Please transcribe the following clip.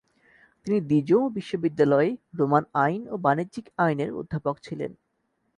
তিনি দিজোঁ বিশ্ববিদ্যালয়ে রোমান আইন ও বাণিজ্যিক আইনের অধ্যাপক ছিলেন।